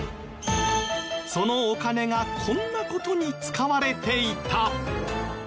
そのお金がこんな事に使われていた。